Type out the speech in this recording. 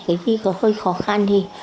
cái gì có hơi khó khăn thì